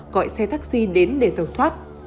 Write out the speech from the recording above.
gọi xe taxi đến để tẩu thoát